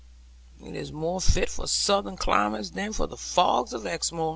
It is more fit for southern climates than for the fogs of Exmoor.'